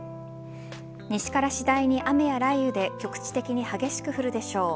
西から次第に雨や雷雨で局地的に激しく降るでしょう。